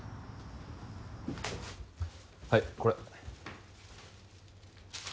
はいこれ。